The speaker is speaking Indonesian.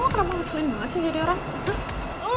lo kenapa ngeselin banget sih jadi orang